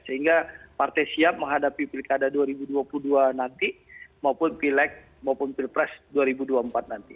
sehingga partai siap menghadapi pilkada dua ribu dua puluh dua nanti maupun pileg maupun pilpres dua ribu dua puluh empat nanti